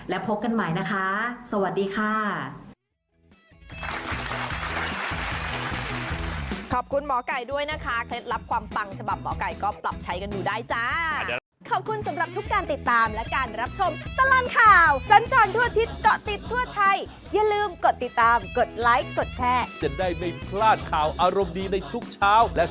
และพบกันใหม่นะคะสวัสดีค่ะ